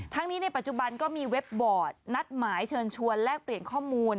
นี้ในปัจจุบันก็มีเว็บบอร์ดนัดหมายเชิญชวนแลกเปลี่ยนข้อมูล